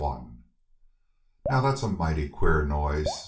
] "Now that's a mighty queer noise."